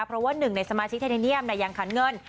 เพราะว่าหนึ่งในสมาชิกเทเนียมยังขันเงิน